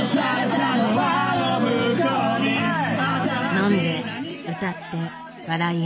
飲んで歌って笑い合う。